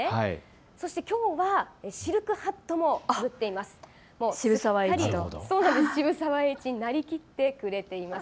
そしてきょうはシルクハットもかぶっています。